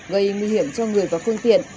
gây nguy hiểm cho người và phương tiện